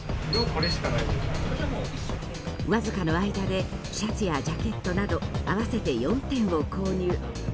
わずかの間でシャツやジャケットなど合わせて４点を購入。